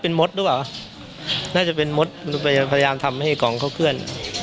เป็นมดหรือเปล่าน่าจะเป็นมดพยายามทำให้กองเขาเคลื่อน